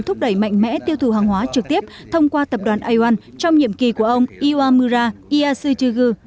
thúc đẩy mạnh mẽ tiêu thụ hàng hóa trực tiếp thông qua tập đoàn aomon trong nhiệm kỳ của ông iwamura iyashichigu